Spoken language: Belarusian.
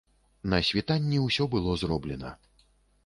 На світанні ўсё было зроблена.